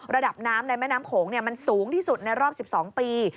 ระดับน้ำในแม่น้ำโขงมันสูงที่สุดในรอบ๑๒ปี